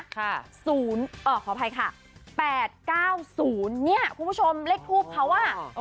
๐อ่อขออภัยค่ะ๘๙๐เนี่ยคุณผู้ชมเลขทูปเขาว่า